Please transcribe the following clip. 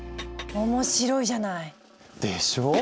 面白いじゃない。でしょう？